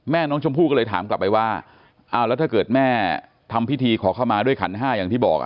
แม่น้องชมพู่ก็เลยถามกลับไปว่าอ้าวแล้วถ้าเกิดแม่ทำพิธีขอเข้ามาด้วยขันห้าอย่างที่บอก